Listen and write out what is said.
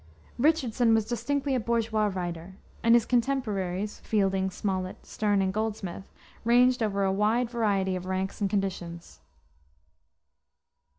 Richardson was distinctly a bourgeois writer, and his contemporaries Fielding, Smollett, Sterne, and Goldsmith ranged over a wide variety of ranks and conditions.